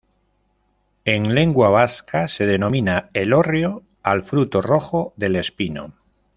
En lengua vasca se denomina "elorrio" al fruto rojo del espino.